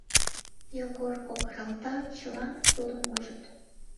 Йогор кокыралта, чыланат тудым ужыт.